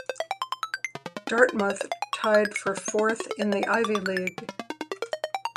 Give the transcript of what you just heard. Dartmouth tied for fourth in the Ivy League.